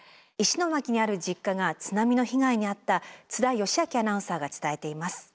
石巻にある実家が津波の被害に遭った津田喜章アナウンサーが伝えています。